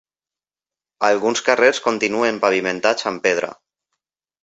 Alguns carrers continuen pavimentats amb pedra.